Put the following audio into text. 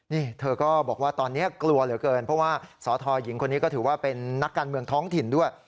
นี่เธอก็บอกว่าตอนนี้กลัวเหลือเกินเพราะว่าสอทหญิงคนนี้ก็ถือว่าเป็นนักการเมืองท้องถิ่นด้วย